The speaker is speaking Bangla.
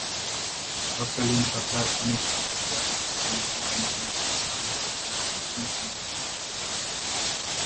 তৎকালীন সরকার অনেক আন্তর্জাতিক তেল কোম্পানিকে বাংলাদেশে অনুসন্ধানে স্বাগত জানায়।